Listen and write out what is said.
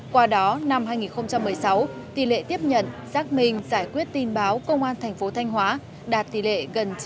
qua đó năm hai nghìn một mươi sáu tỷ lệ tiếp nhận xác minh giải quyết tin báo công an thành phố thanh hóa đạt tỷ lệ gần chín mươi chín